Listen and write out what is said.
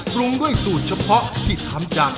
ปรุงด้วยสูตรเฉพาะที่ทำจาก